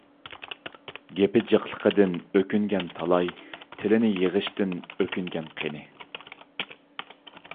گېپى جىقلىقىدىن ئۆكۈنگەن تالاي، تىلىنى يىغىشتىن ئۆكۈنگەن قېنى؟